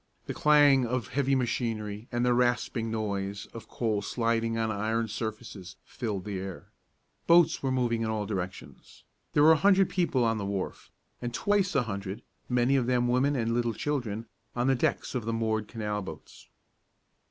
The clang of heavy machinery and the rasping noise of coal sliding on iron surfaces filled the air. Boats were moving in all directions. There were a hundred people on the wharf, and twice a hundred, many of them women and little children on the decks of the moored canal boats.